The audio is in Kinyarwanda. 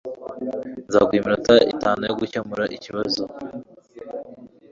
nzaguha iminota itanu yo gukemura iki kibazo